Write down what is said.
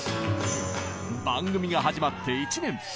番組が始まって１年。